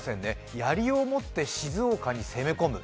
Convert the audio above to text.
やりを持って静岡に攻め込む。